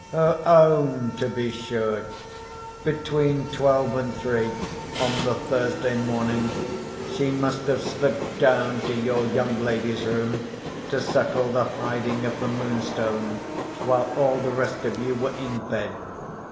"Her own, to be sure. Between twelve and three, on the Thursday morning, she must have slipped down to your young lady's room, to settle the hiding of the Moonstone while all the rest of you were in bed.